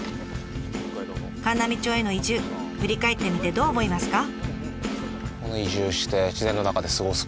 函南町への移住振り返ってみてどう思いますか？